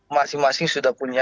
masing masing sudah punya